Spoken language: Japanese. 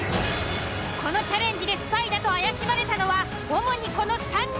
このチャレンジでスパイだと怪しまれたのは主にこの３人。